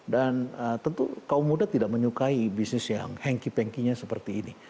dan tentu kaum muda tidak menyukai bisnis yang hengkih pengkinya seperti ini